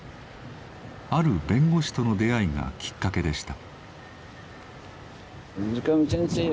ある弁護士との出会いがきっかけでした。